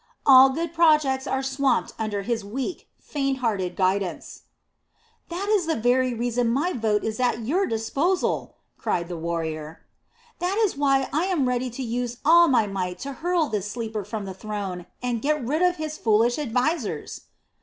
All good projects are swamped under his weak, fainthearted guidance." "That is the very reason my vote is at your disposal," cried the warrior. "That is why I am ready to use all my might to hurl this sleeper from the throne and get rid of his foolish advisers."